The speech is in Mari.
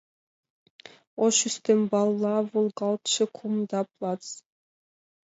Ош ӱстембалла волгалтше кумда плац.